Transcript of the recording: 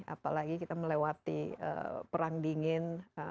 apalagi kita melewati perang dingin